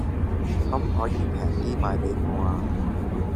可唔可以平啲賣俾我呀